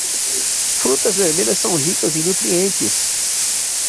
Frutas vermelhas são ricas em nutrientes.